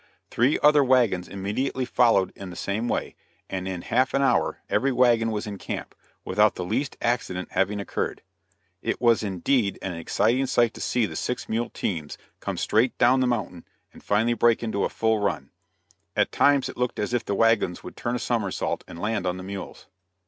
Three other wagons immediately followed in the same way, and in half an hour every wagon was in camp, without the least accident having occurred. It was indeed an exciting sight to see the six mule teams come straight down the mountain and finally break into a full run. At times it looked as if the wagons would turn a somersault and land on the mules.